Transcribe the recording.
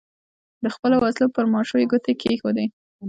د خپلو وسلو پر ماشو یې ګوتې کېښودې.